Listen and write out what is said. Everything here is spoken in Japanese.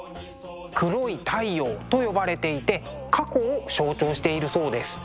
黒い太陽と呼ばれていて過去を象徴しているそうです。